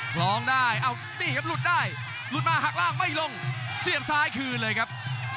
คล้องได้เอานี่ครับหลุดได้หลุดมาหักล่างไม่ลงเสียบซ้ายคืนเลยครับ